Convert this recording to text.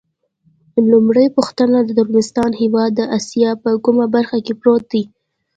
لومړۍ پوښتنه: د ترکمنستان هېواد د اسیا په کومه برخه کې پروت دی؟